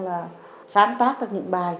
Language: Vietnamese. là sáng tạo được những bài